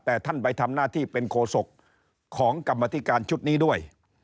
แต่ท่านไปทำหน้าที่เป็นโคศกของกรรมธิการชุดนี้ด้วย